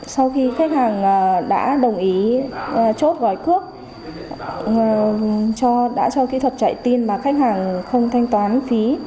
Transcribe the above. sau khi khách hàng đã chốt gói cước cho kỹ thuật chạy tin mà khách hàng không thanh toán phí